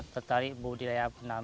tertarik budidaya udang faname